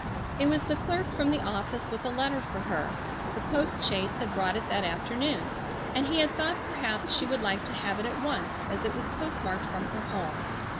It was the clerk from the office with a letter for her. The post chaise had brought it that afternoon, and he had thought perhaps she would like to have it at once as it was postmarked from her home.